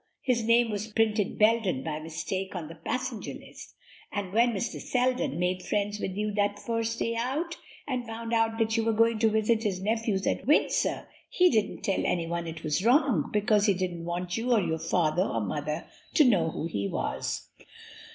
His name was printed Belden by mistake on the passenger list, and when Mr. Selden made friends with you that first day out, and found out that you were going to visit his nephews at Windsor, he didn't tell anyone it was wrong, because he didn't want you or your father or mother to know who he was.'"